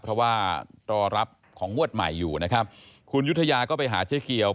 เพราะว่ารอรับของงวดใหม่อยู่นะครับคุณยุธยาก็ไปหาเจ๊เกียว